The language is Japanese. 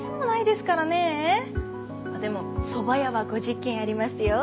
でもそば屋は５０軒ありますよ。